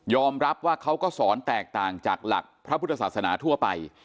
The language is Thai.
รับว่าเขาก็สอนแตกต่างจากหลักพระพุทธศาสนาทั่วไป